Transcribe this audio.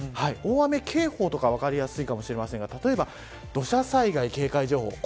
大雨警報とかは分かりやすいかもしれませんが例えば土砂災害警戒情報